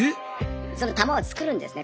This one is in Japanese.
その玉を作るんですね。